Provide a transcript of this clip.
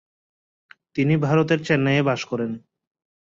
তিনি ভারতের চেন্নাইয়ে বাস করেন।